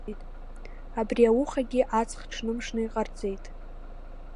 Абри аухагьы аҵх ҽнымшны иҟарҵеит!